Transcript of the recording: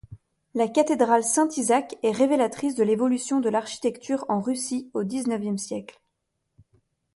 La cathédrale Saint-Isaac est révélatrice de l'évolution de l'architecture en Russie au dix-neuvième siècle.